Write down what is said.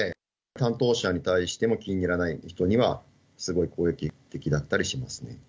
担当者に対しても気に入らない人には、すごい攻撃的だったりしますね。